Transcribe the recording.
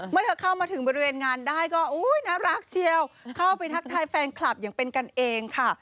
เมื่อเธอเข้ามาถึงบริเวณงานได้ก็น่ารักเชียวเข้าไปทักทายแฟนคลับอย่างเป็นกันเองค่ะ